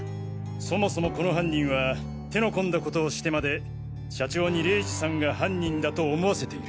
そもそもこの犯人は手の込んだ事をしてまで社長に玲二さんが犯人だと思わせている。